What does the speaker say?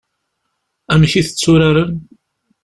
Amek i t-tturaren?